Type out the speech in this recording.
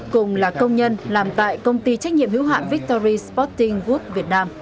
cùng là công nhân làm tại công ty trách nhiệm hữu hạn victory sporting wood việt nam